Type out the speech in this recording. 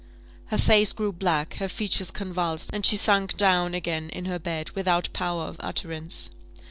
Her face grew black, her features convulsed, and she sunk down again in her bed, without power of utterance.